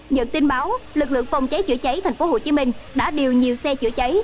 nhận tin báo lực lượng phòng cháy chữa cháy tp hcm đã điều nhiều xe chữa cháy